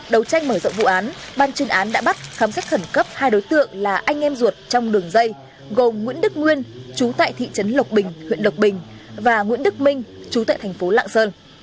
đầu tranh mở rộng vụ án ban chuyên án đã bắt khám xét khẩn cấp hai đối tượng là anh em ruột trong đường dây gồm nguyễn đức nguyên chú tại thị trấn lộc bình huyện lộc bình và nguyễn đức minh chú tại thành phố lạng sơn